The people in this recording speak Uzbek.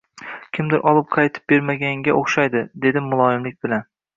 Kimdir olib qaytib bermaganga o‘xshaydi, dedi muloyimlik bilan